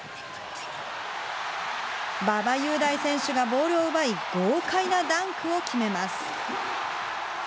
ばばゆうだい選手がボールを奪い、豪快なダンクを決めます。